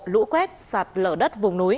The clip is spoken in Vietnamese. lũ quét sạt lở đất vùng núi